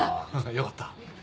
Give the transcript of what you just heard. よかった。